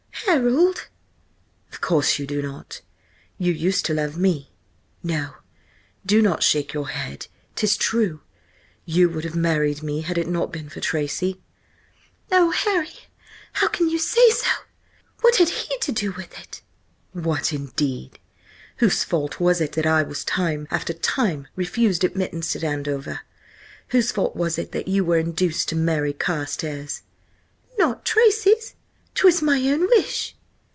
"Harold!" "Of course you do not! You used to love me–no, do not shake your head, 'tis true! You would have married me had it not been for Tracy." "Oh, Harry! How can you say so? What had he to do with it?" "What, indeed! Whose fault was it that I was time after time refused admittance at Andover? Whose fault was it that you were induced to marry Carstares?" "Not Tracy's. 'Twas my own wish."